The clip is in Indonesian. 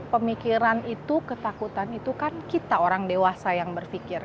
pemikiran itu ketakutan itu kan kita orang dewasa yang berpikir